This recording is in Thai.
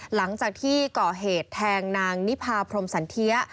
หลังจากที่ก่อเหตุแทงนางนิพาพรมสันเทีย